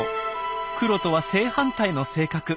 クロとは正反対の性格。